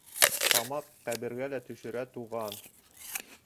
— Тамаҡ ҡәбергә лә төшөрә, туған.